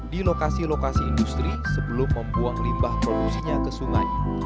di lokasi lokasi industri sebelum membuang limbah produksinya ke sungai